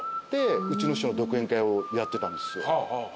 でうちの師匠の独演会をやってたんですよ。